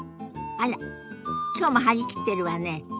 あら今日も張り切ってるわね。